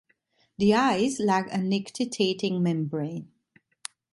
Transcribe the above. The eyes lack a nictitating membrane.